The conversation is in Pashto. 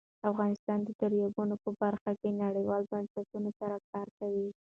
افغانستان د دریابونه په برخه کې نړیوالو بنسټونو سره کار کوي.